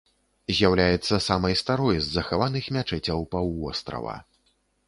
З'яўляецца самай старой с захаваных мячэцяў паўвострава.